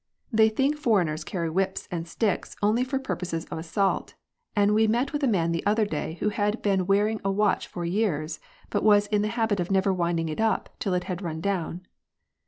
JOURNALISM. 171 They think foreigners carry whips and sticks only for purposes of assault, and we met a man the other day who had been wearing a watch for years, but was in the habit of never winding it up till it had run down.